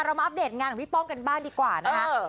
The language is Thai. มาอัปเดตงานของพี่ป้องกันบ้างดีกว่านะคะ